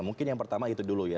mungkin yang pertama itu dulu ya